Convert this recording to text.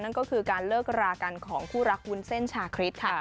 นั่นก็คือการเลิกรากันของคู่รักวุ้นเส้นชาคริสค่ะ